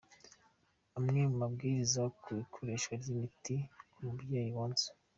Amwe mu mabwiriza ku ikoreshwa ry’imiti ku mubyeyi wonsa.